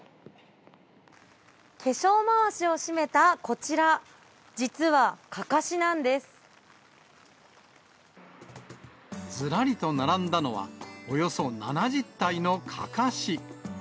化粧まわしを締めたこちら、ずらりと並んだのは、およそ７０体のかかし。